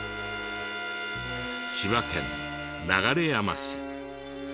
千葉県流山市。